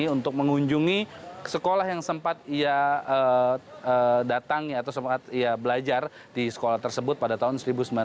untuk mengunjungi sekolah yang sempat ia datangi atau sempat ia belajar di sekolah tersebut pada tahun seribu sembilan ratus sembilan puluh